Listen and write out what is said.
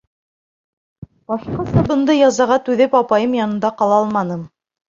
Башҡаса бындай язаға түҙеп апайым янында ҡала алманым.